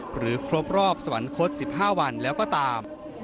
ครบรอบสวรรคต๑๕วันแล้วก็ตาม